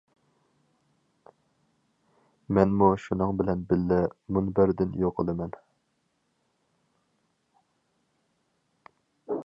مەنمۇ شۇنىڭ بىلەن بىللە مۇنبەردىن يوقىلىمەن.